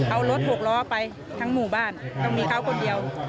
เอารถหกล้อไปทั้งหมู่บ้านต้องมีเขาคนเดียว